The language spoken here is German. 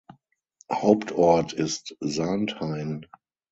Hauptort ist Sarnthein.